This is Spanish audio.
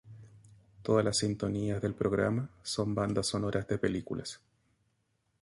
Todas las sintonías del programa son bandas sonoras de películas.